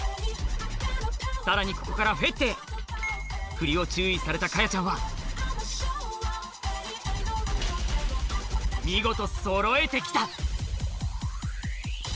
さらにここからフェッテへ振りを注意されたかやちゃんは見事そろえて来た！